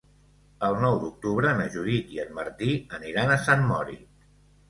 El nou d'octubre na Judit i en Martí aniran a Sant Mori.